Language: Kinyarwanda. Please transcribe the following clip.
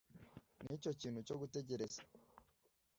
nicyo kintu cyo gutegereza